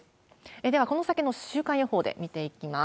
では、この先の週間予報で見ていきます。